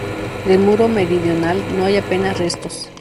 Del muro meridional no hay apenas restos.